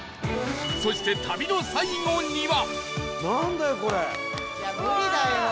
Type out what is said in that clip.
そして旅の最後には